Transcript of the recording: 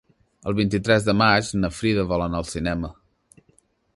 El vint-i-tres de maig na Frida vol anar al cinema.